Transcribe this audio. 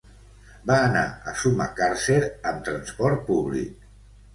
Va anar a Sumacàrcer amb transport públic.